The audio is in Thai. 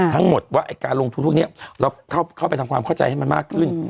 ทั้งหมดว่าการลงทุนพวกนี้เราเข้าไปทำความเข้าใจให้มันมากขึ้น